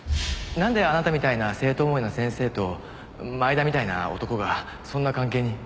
なんであなたみたいな生徒思いの先生と前田みたいな男がそんな関係に？